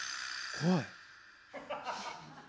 怖い。